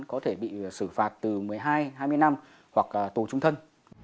có thể bị xử phạt từ một mươi hai hai mươi năm hoặc tù trung thân